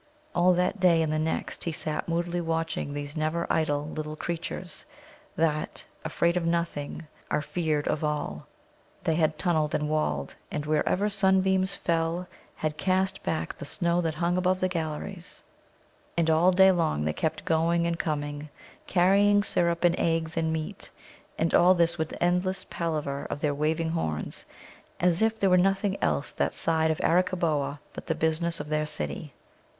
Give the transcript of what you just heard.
All that day and the next he sat moodily watching these never idle little creatures, that, afraid of nothing, are feared of all. They had tunnelled and walled, and wherever sunbeams fell had cast back the snow that hung above the galleries. And all day long they kept going and coming, carrying syrup and eggs and meat, and all this with endless palaver of their waving horns, as if there were nothing else that side of Arakkaboa but the business of their city.